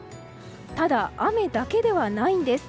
ただ、雨だけではないんです。